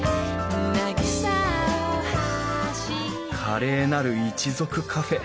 「華麗なる一族カフェ。